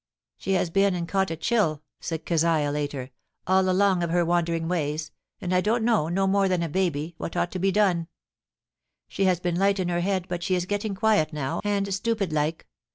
' She has been and caught ^a chill,' said Keziah, later, ^ all along of her wandering ways ; and I don't know, no more than a baby, what ought to be done. She has been light in her head, but she is getting quiet now, and stupid like.